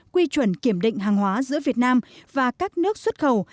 quy chuẩn kiểm định hàng hóa giữa việt nam và các nước xuất khẩu